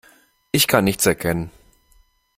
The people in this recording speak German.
Ich kann nichts erkennen.